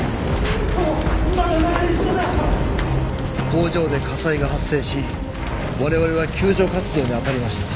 工場で火災が発生し我々は救助活動に当たりました。